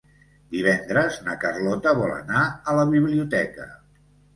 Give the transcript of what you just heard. Divendres na Carlota vol anar a la biblioteca.